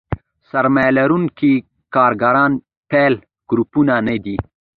سرمایه لرونکي کارګران بېل ګروپونه نه دي.